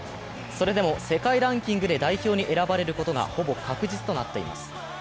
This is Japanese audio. それでも世界ランキングで代表に選ばれることがほぼ確実となっています。